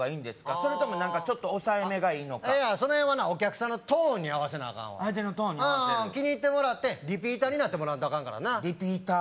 それとも何かちょっと抑えめがいいのかその辺はなお客さんのトーンに合わせなアカンわ相手のトーンに合わせるうん気に入ってもらってリピーターになってもらわんとアカンからリピーター？